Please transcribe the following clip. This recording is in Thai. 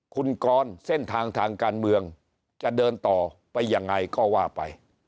คุณกรเส้นทางทางการเมืองจะเดินต่อไปยังไงก็ว่าไป